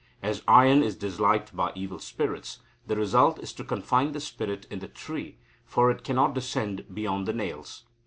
As iron is disliked by evil spirits, the result is to confine the spirit in the tree, for it cannot descend beyond the nails.